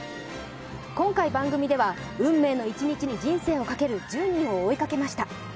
今回、番組では運命の一日に人生をかける１０人を追いかけました。